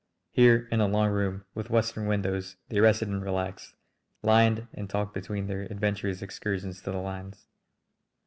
Here in a long room with western windows they rested and relaxed, lined and talked between their adventurous excursions to the lines.